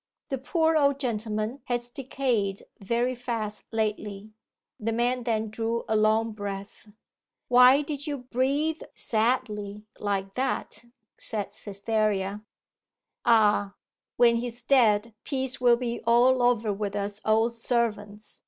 'The poor old gentleman has decayed very fast lately.' The man then drew a long breath. 'Why did you breathe sadly like that?' said Cytherea. 'Ah!... When he's dead peace will be all over with us old servants.